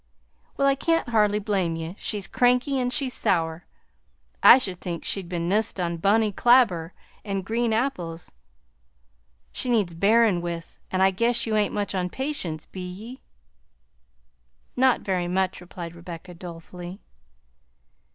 Well, I can't hardly blame ye. She's cranky an' she's sour; I should think she'd ben nussed on bonny clabber an' green apples. She needs bearin' with; an' I guess you ain't much on patience, be ye?" "Not very much," replied Rebecca dolefully.